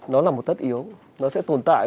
nó là một tất yếu nó sẽ tồn tại